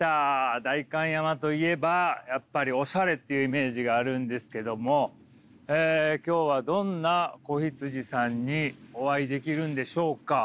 代官山といえばやっぱりオシャレっていうイメージがあるんですけども今日はどんな子羊さんにお会いできるんでしょうか？